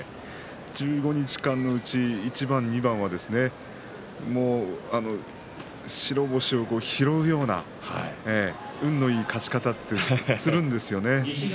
１５日間のうち一番、二番、白星を拾うような運のいい勝ち方をするんですよね。